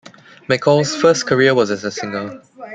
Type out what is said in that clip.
McCall's first career was as a singer.